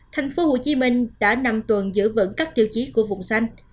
tp hcm đã năm tuần giữ vững các tiêu chí của vùng xanh